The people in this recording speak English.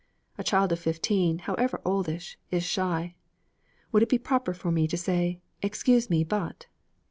A child of fifteen, however oldish, is shy. Would it be proper for me to say, 'Excuse me, but